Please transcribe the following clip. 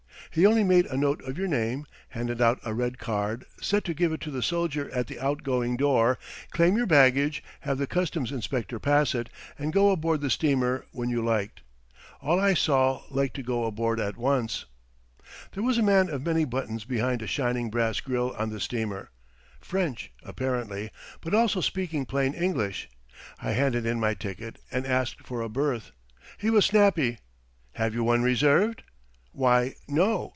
He only made a note of your name, handed out a red card, said to give it to the soldier at the out going door, claim your baggage, have the customs inspector pass it, and go aboard the steamer when you liked. All I saw liked to go aboard at once. There was a man of many buttons behind a shining brass grill on the steamer French, apparently, but also speaking plain English. I handed in my ticket and asked for a berth. He was snappy. "Have you one reserved?" "Why, no.